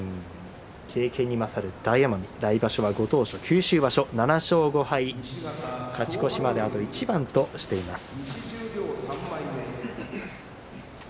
経験に勝る大奄美来場所はご当所九州場所７勝５敗、勝ち越しまであと一番としています。